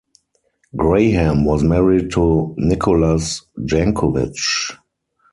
Graham was married to Nikolas Jankovich.